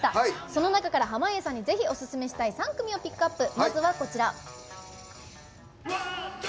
その中から濱家さんにぜひオススメしたい３組をピックアップ。